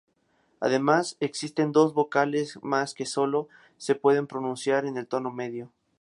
Además, existen dos vocales más que sólo se pueden pronunciar en el tono medio.